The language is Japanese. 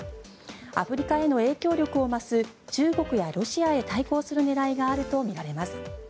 アフリカへの影響力を増す中国やロシアへ対抗する狙いがあるとみられます。